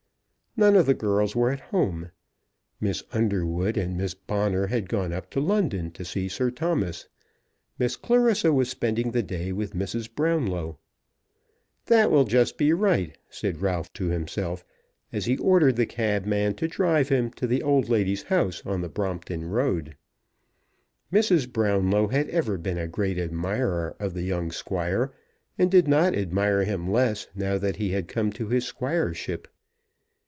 None of the girls were at home. Miss Underwood and Miss Bonner had gone up to London to see Sir Thomas. Miss Clarissa was spending the day with Mrs. Brownlow. "That will just be right," said Ralph to himself, as he ordered the cabman to drive him to the old lady's house on the Brompton Road. Mrs. Brownlow had ever been a great admirer of the young Squire, and did not admire him less now that he had come to his squireship.